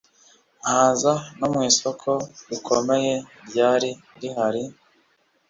nkaza no mu isoko rikomeye ryari rihari,